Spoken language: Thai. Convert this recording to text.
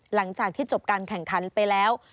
หลังจากที่จบการแข่งขันไปแล้ว